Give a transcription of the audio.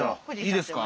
いいですか？